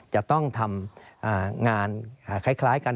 จะต้องทำงานคล้ายกัน